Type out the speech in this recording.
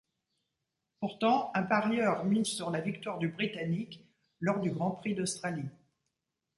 Pourtant, un parieur mise sur la victoire du Britannique lors du grand prix d'Australie.